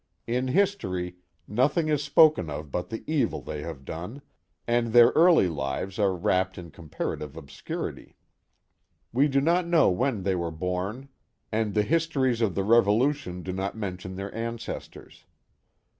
In history, nothing is spoken of but the evil they have done, and their early lives are wrapped in comparative obscurity. We do not know when they were born, and the histories of the Revolution do not mention their ancestors.